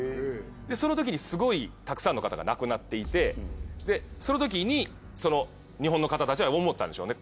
そのときにすごいたくさんの方が亡くなっていてでそのときに日本の方たちは思ったんでしょうね